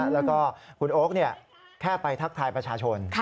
แล้วก็คุณโอ๊คแค่ไปทักทายประชาชน